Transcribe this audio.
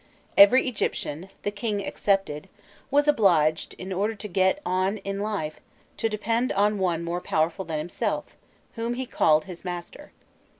Every Egyptian, the King excepted, was obliged, in order to get on in life, to depend on one more powerful than himself, whom he called his master.